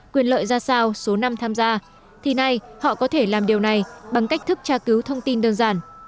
quyền lợi ra sao số năm tham gia thì nay họ có thể làm điều này bằng cách thức tra cứu thông tin đơn giản